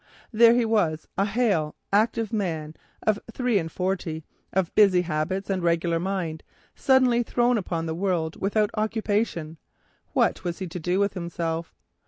There he was, a hale, active man of three and forty, of busy habits, and regular mind, suddenly thrown upon the world without occupation. What was he to do with himself?